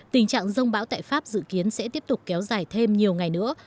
tình trạng rông bão tại pháp dự kiến sẽ tiếp tục kéo dài thêm nhiều ngày nữa